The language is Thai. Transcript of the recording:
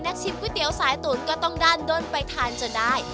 ชิมก๋วยเตี๋ยวสายตุ๋นก็ต้องด้านด้นไปทานจนได้